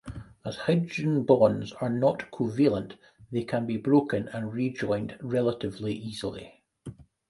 As hydrogen bonds are not covalent, they can be broken and rejoined relatively easily.